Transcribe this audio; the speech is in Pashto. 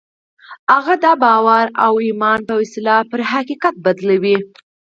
هغه د باور او ايمان په وسيله پر حقيقت بدلوي.